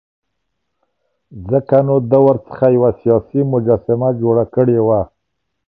ځکه نو ده ورڅخه یوه سیاسي مجسمه جوړه کړې وه.